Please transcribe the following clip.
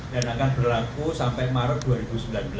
dan akan berlaku sampai maret dua ribu sembilan belas